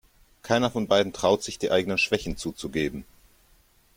Keiner von beiden traut sich, die eigenen Schwächen zuzugeben.